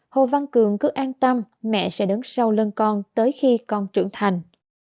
hồ văn cường cứ an tâm mẹ sẽ đứng sau lân con tới khi con trưởng thành